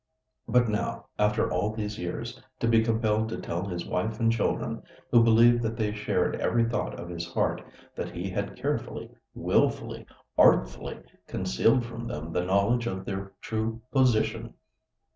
But now, after all these years, to be compelled to tell his wife and children, who believed that they shared every thought of his heart, that he had carefully, wilfully, artfully concealed from them the knowledge of their true position!